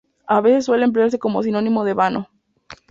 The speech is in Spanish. A veces suele emplearse como sinónimo de "vano".